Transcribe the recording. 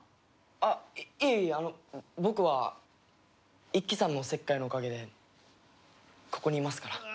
あっいえいえあの僕は一輝さんのおせっかいのおかげでここにいますから。